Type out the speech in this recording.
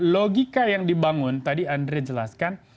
logika yang dibangun tadi andre jelaskan